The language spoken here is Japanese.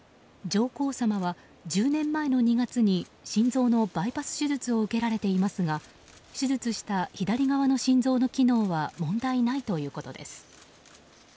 上皇さまは、１０年前の２月に心臓のバイパス手術を受けられていますが手術した左側の心臓の機能は問題ないということです。